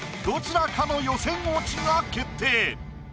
どちらかの予選落ちが決定。